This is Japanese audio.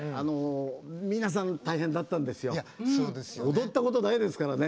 踊ったことないですからね。